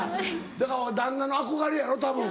だから旦那の憧れやろたぶん。